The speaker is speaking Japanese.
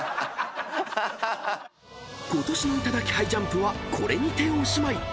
［ことしの『いただきハイジャンプ』はこれにておしまい］